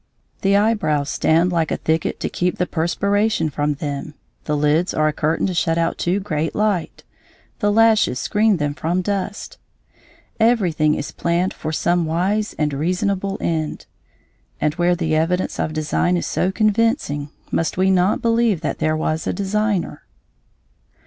The eyebrows stand like a thicket to keep the perspiration from them, the lids are a curtain to shut out too great light, the lashes screen them from dust, everything is planned for some wise and reasonable end. And where the evidence of design is so convincing must we not believe that there was a Designer?"